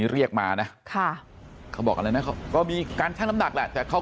เรียกมานะค่ะเขาบอกอะไรนะเขาก็มีการชั่งน้ำหนักแหละแต่เขา